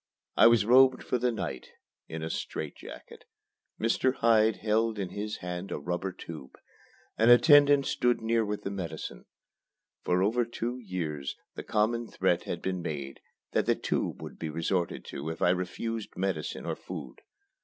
I was robed for the night in a strait jacket. Mr. Hyde held in his hand a rubber tube. An attendant stood near with the medicine. For over two years, the common threat had been made that the "tube" would be resorted to if I refused medicine or food.